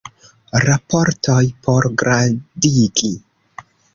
Raportoj por gradigi.